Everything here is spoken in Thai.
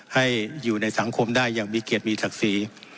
ให้อยู่ในสังคมได้อย่างมีเกียรติมีศักดิ์ศรี